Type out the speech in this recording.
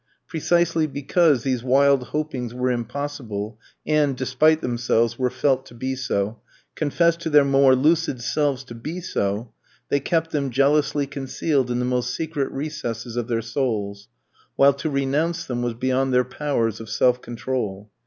Precisely because these wild hopings were impossible, and, despite themselves, were felt to be so, confessed to their more lucid selves to be so, they kept them jealously concealed in the most secret recesses of their souls; while to renounce them was beyond their powers of self control.